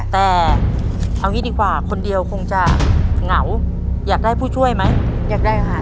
แต่เอางี้ดีกว่าคนเดียวคงจะเหงาอยากได้ผู้ช่วยไหมอยากได้อาหาร